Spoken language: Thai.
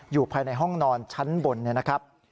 อยู่ภายในห้องนอนชั้นบนเนี่ยนะครับ